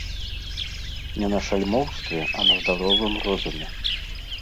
Не на шальмоўстве, а на здаровым розуме.